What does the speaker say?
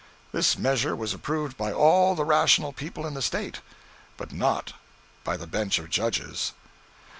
This measure was approved by all the rational people in the State; but not by the bench of Judges.